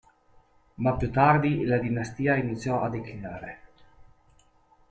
Ma più tardi, la dinastia iniziò a declinare.